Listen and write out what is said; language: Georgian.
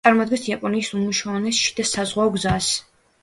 წარმოადგენს იაპონიის უმნიშვნელოვანეს შიგა საზღვაო გზას.